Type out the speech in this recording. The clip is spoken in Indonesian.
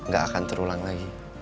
gak akan terulang lagi